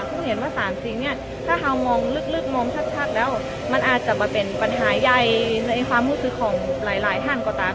คุณเห็นว่า๓สิ่งเนี่ยถ้าเรามองลึกมองชัดแล้วมันอาจจะมาเป็นปัญหาใหญ่ในความรู้สึกของหลายท่านก็ตาม